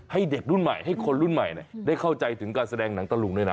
ให้เด็กรุ่นใหม่ให้คนรุ่นใหม่ได้เข้าใจถึงการแสดงหนังตะลุงด้วยนะ